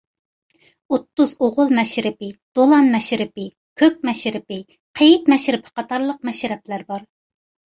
ئوتتۇز ئوغۇل مەشرىپى، دولان مەشرىپى، كۆك مەشرىپى، قېيىت مەشرىپى قاتارلىق مەشرەپلەر بار.